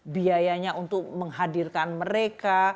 biayanya untuk menghadirkan mereka